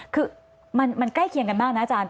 คือมันใกล้เคียงกันมากนะอาจารย์